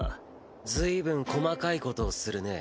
随分細かいことをするね。